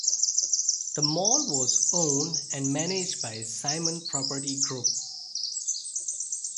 The mall was owned and managed by Simon Property Group.